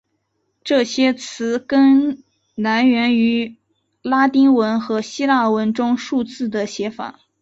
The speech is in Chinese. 这些词根来源于拉丁文和希腊文中数字的写法。